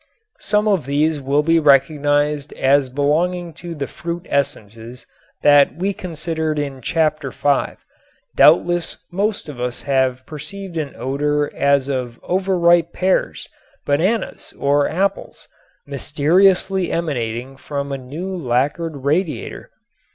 Some of these will be recognized as belonging to the fruit essences that we considered in Chapter V, and doubtless most of us have perceived an odor as of over ripe pears, bananas or apples mysteriously emanating from a newly lacquered radiator.